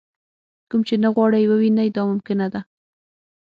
کوم چې نه غواړئ ووینئ دا ممکنه ده.